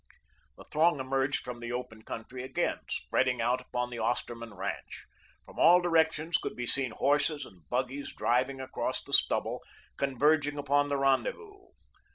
The throng emerged into the open country again, spreading out upon the Osterman ranch. From all directions could be seen horses and buggies driving across the stubble, converging upon the rendezvous.